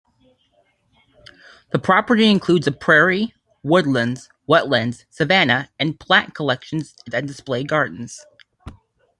The property includes a prairie, woodlands, wetlands, savanna, and plant collections and display gardens.